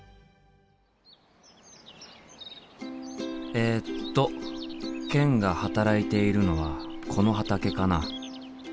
えっとケンが働いているのはこの畑かな？